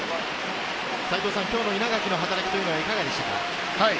今日の稲垣の働きはいかがでしたか？